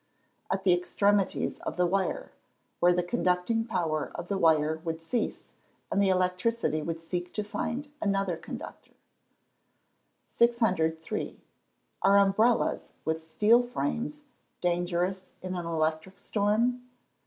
_ At the extremities of the wire, where the conducting power of the wire would cease, and the electricity would seek to find another conductor. 603. _Are umbrellas, with steel frames, dangerous in an electric storm?